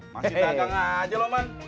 masih dagang aja lo man